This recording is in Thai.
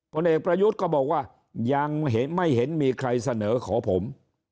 ผลเอกประยุทธ์ก็บอกว่ายังไม่เห็นมีใครเสนอขอผม